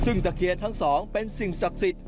ซึ่งตะเคียนทั้งสองเป็นสิ่งศักดิ์สิทธิ